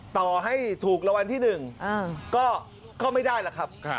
ต่อให้ถูกระวังที่หนึ่งก็ไม่ได้ล่ะครับ